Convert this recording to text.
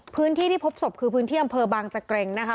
พื้นที่ที่พบศพคือพื้นที่บางจะเกรงนะคะ